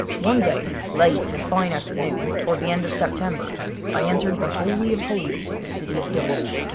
One day, late in a fine afternoon, toward the end of September, I entered the holy of holies of the city of dust.